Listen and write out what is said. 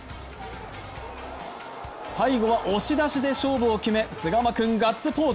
最後は押し出しで勝負を決め菅間君ガッツポーズ。